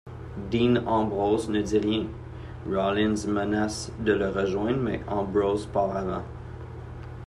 Dean Ambrose ne dit rien, Rollins menace de le rejoindre mais Ambrose part avant.